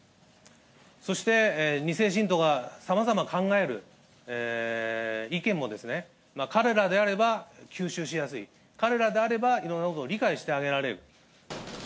そして、２世信徒がさまざま考える意見も、彼らであれば吸収しやすい、彼らであればいろんなことを理解してあげられる。